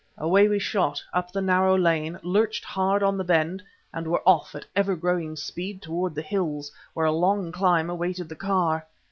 Away we shot, up the narrow lane, lurched hard on the bend and were off at ever growing speed toward the hills, where a long climb awaited the car.